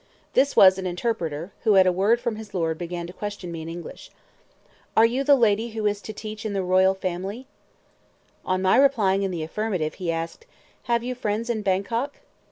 This was an interpreter, who at a word from his lord began to question me in English. "Are you the lady who is to teach in the royal family?" On my replying in the affirmative, he asked, "Have you friends in Bangkok?"